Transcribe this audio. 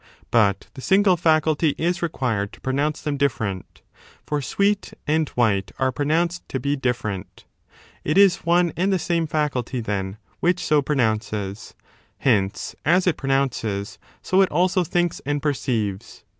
But the single faculty is required to pronounce them different, for sweet and white are pronounced to be different. It is one and the same faculty, then, which so pronounces. Hence, as it pronounces, so it also thinks 12 and perceives.